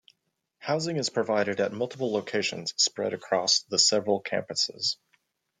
Housing is provided at multiple locations spread across the several campuses.